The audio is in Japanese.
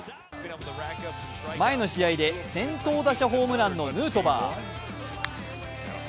前の試合で先頭打者ホームランのヌートバー。